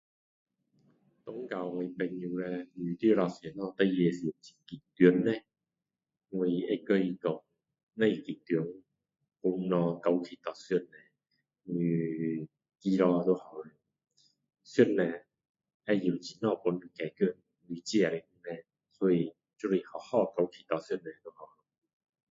轮到我朋友咧你遇到什么事情那么紧张呢我会跟他说不用紧张全部交到给上帝你祷告就好了上帝会知道怎样帮你解决你这个问题所以就是好好交给上帝就好了